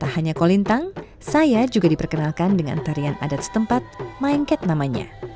tak hanya kolintang saya juga diperkenalkan dengan tarian adat setempat maengket namanya